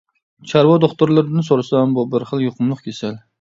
چارۋا دوختۇرلىرىدىن سورىسام، بۇ بىر خىل يۇقۇملۇق كېسەل.